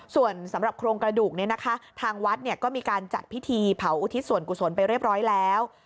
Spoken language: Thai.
ส่วนสำหรับโครงกระดูกเนี่ยนะคะทางวัดก็มีการจัดพิธีเผาอุทิศส่วนกุศลไปเรียบร้อยแล้ว